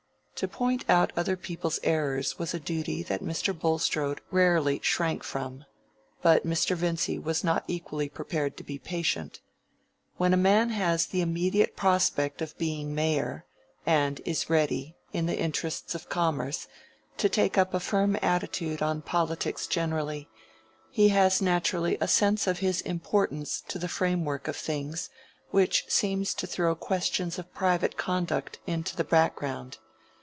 To point out other people's errors was a duty that Mr. Bulstrode rarely shrank from, but Mr. Vincy was not equally prepared to be patient. When a man has the immediate prospect of being mayor, and is ready, in the interests of commerce, to take up a firm attitude on politics generally, he has naturally a sense of his importance to the framework of things which seems to throw questions of private conduct into the background.